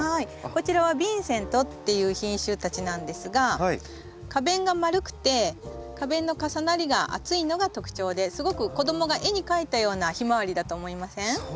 こちらはビンセントっていう品種たちなんですが花弁が丸くて花弁の重なりが厚いのが特徴ですごく子供が絵に描いたようなヒマワリだと思いません？